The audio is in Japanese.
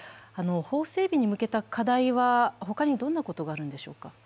法整備に向けた課題はほかにどんなことがあるんでしょうか？